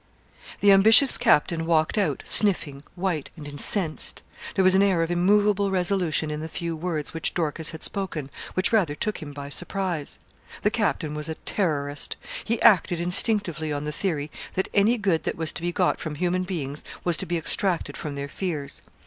The ambitious captain walked out, sniffing, white, and incensed. There was an air of immovable resolution in the few words which Dorcas had spoken which rather took him by surprise. The captain was a terrorist. He acted instinctively on the theory that any good that was to be got from human beings was to be extracted from their fears.